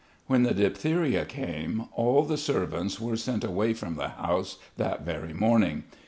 When the diphtheria came all the servants were sent away from the house, that very morning.